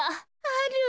ある。